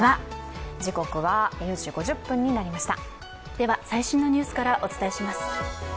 では、最新のニュースからお伝えします。